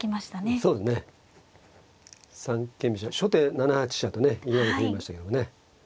初手７八飛車とねいきなり振りましたけどね。